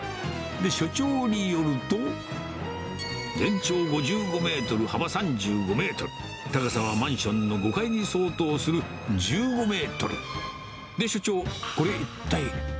で、所長によると、全長５５メートル、幅３５メートル、高さはマンションの５階に相当する１５メートル。